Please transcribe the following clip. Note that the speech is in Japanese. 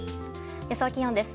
予想気温です。